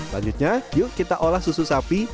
selanjutnya yuk kita olah susu sapi